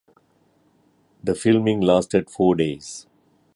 The filming lasted four days.